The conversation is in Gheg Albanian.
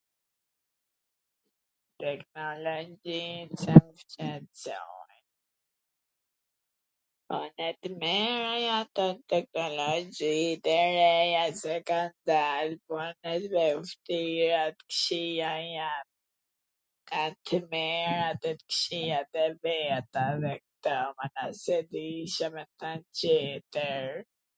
Teknologjit Ca t shqetsohem... Kan edhe t mira kto teknologjit e reja se kan dal po edhe t vwshtira e t kwqija jan, kan t mirat e t kqijat e veta, kto mana s e di Ca me than tjetwr.